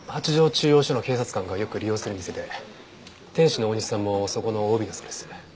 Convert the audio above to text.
中央署の警察官がよく利用する店で店主の大西さんもそこのＯＢだそうです。